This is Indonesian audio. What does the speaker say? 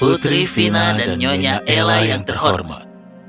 putri fina dan nyonya ella yang terhormat